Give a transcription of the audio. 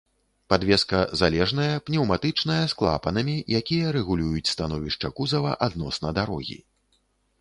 Падвеска залежная, пнеўматычная з клапанамі, якія рэгулююць становішча кузава адносна дарогі.